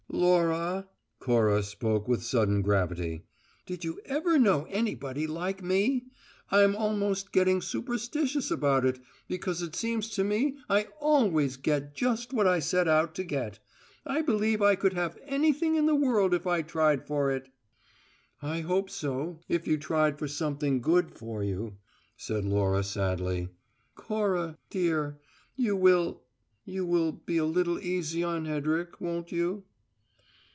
"Laura" Cora spoke with sudden gravity "did you ever know anybody like me? I'm almost getting superstitious about it, because it seems to me I always get just what I set out to get. I believe I could have anything in the world if I tried for it." "I hope so, if you tried for something good for you," said Laura sadly. "Cora, dear, you will you will be a little easy on Hedrick, won't you?"